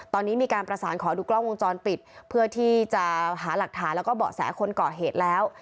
ตอนนี้มีการประสานขอดูกล้องวงจรปิดเพื่อที่จะหาหลักฐานแล้วก็เบาะแสคนก่อเหตุแล้ว